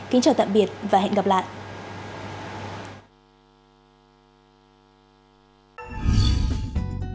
kính chào tạm biệt và hẹn gặp lại